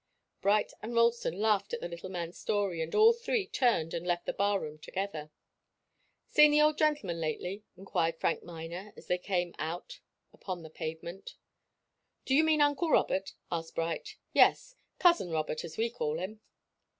Bright and Ralston laughed at the little man's story and all three turned and left the bar room together. "Seen the old gentleman lately?" enquired Frank Miner, as they came out upon the pavement. "Do you mean uncle Robert?" asked Bright. "Yes cousin Robert, as we call him."